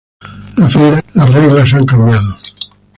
La frase del evento era ""The Rules Have Changed"".